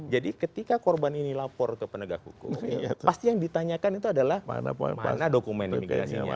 jadi ketika korban ini lapor ke penegak hukum pasti yang ditanyakan itu adalah mana dokumen imigrasinya